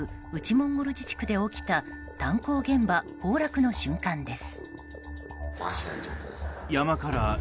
モンゴル自治区で起きた炭鉱現場崩落の瞬間です。